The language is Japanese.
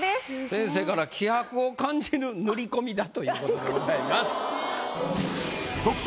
先生から「気迫を感じる塗り込み」だということでございます。